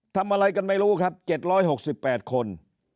ทำอะไรกันไม่รู้ครับ๗๖๘คน